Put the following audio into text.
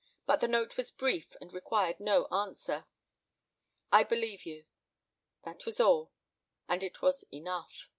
But the note was brief and required no answer. "I believe you." That was all, and it was enough.